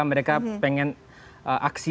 mereka ingin aksi